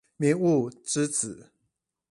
迷霧之子